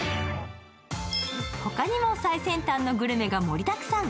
ほかにも最先端のグルメが盛りだくさん。